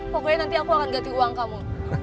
pokoknya nanti aku akan ganti uang kamu